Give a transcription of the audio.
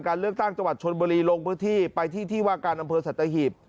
เลือกตั้งจังหวัดชนบุรีลงพื้นที่ไปที่ที่ว่าการอำเภอสัตหีบ